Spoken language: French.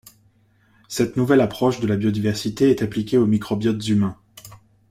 Cette nouvelle approche de la biodiversité est appliquée aux microbiotes humains.